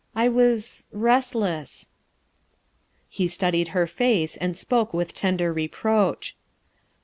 "I was — restless." He studied her face and spoke with tender reproach.